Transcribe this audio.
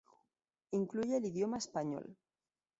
Incluye el idioma español.